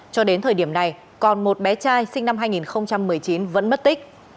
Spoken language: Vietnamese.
cho đến thời điểm này còn một bé trai sinh năm hai nghìn một mươi chín vẫn mất tích